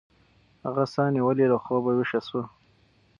هغه ساه نیولې له خوبه ویښه شوه.